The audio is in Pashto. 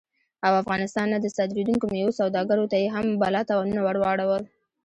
او افغانستان نه د صادرېدونکو میوو سوداګرو ته یې هم بلا تاوانونه ور واړول